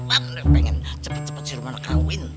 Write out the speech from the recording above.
umi pengen cepet cepet si rumana kawin